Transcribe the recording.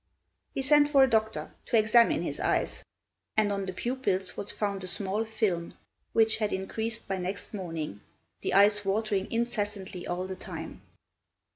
He sent for a doctor to examine his eyes, and on the pupils was found a small film, which had increased by next morning, the eyes watering incessantly all the time.